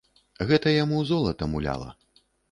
Гэта яму золата муляла.